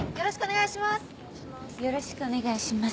よろしくお願いします。